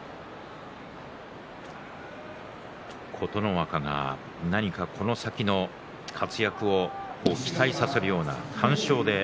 琴ノ若が何かこの先の活躍を期待させるような完勝です。